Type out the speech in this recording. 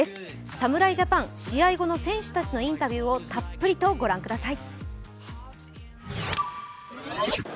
侍ジャパン、試合後の選手たちのインタビューをたっぷりとご覧ください。